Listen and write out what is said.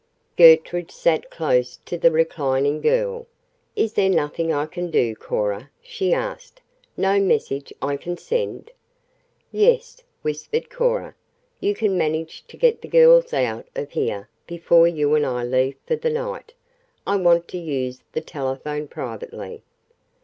Gertrude sat close to the reclining girl. "Is there nothing I can do, Cora?" she asked. "No message I can send?" "Yes," whispered Cora; "you can manage to get the girls out of here before you and I leave for the night. I want to use the telephone privately."